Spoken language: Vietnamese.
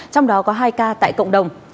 trong đó có hai ca tại cộng đồng